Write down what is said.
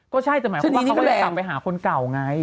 ก็ใช่แต่หมายความว่าเขาก็เลยสั่งไปหาคนเก่าไง